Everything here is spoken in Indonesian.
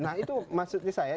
nah itu maksudnya saya